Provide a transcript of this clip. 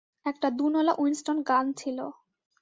একটা দোনলা Winston gun ছিল।